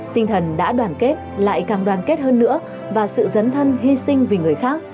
tinh thần đã đoàn kết lại càng đoàn kết hơn nữa và sự dấn thân hy sinh vì người khác